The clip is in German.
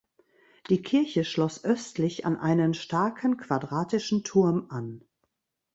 Die Kirche schloss östlich an einen starken quadratischen Turm an.